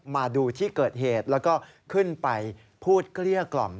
มาดูที่เกิดเหตุแล้วก็ขึ้นไปพูดเกลี้ยกล่อม